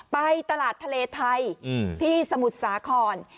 ไปตลาดทะเลไทยที่สมุทรสาคร